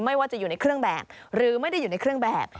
ไม่ว่าจะอยู่ในเครื่องแบบหรือไม่ได้อยู่ในเครื่องแบบ